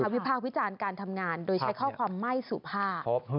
วิพากษ์วิจารณ์การทำงานโดยใช้ข้อความไม่สุภาพ